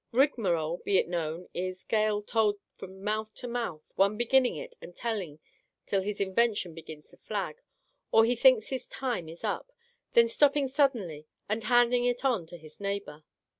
Rigmarole, be it known, is r. tale told " from mouth to mouth," one beginning it and telling till his invention begins to flag or he thinks his time is up, then stopping suddenly and hand ing it on to his next neighbour.